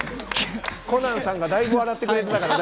コナンさんがだいぶ笑ってくれてたから。